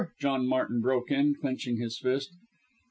John Martin broke in, clenching his fist.